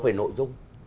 về nội dung